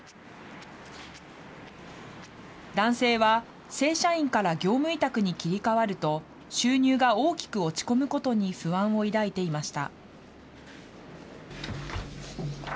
男性は、正社員から業務委託に切り替わると、収入が大きく落ち込むことに不安を抱いていました。